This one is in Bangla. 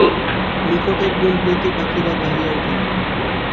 নিকটের বন হইতে পাখীরা গাহিয়া উঠিল।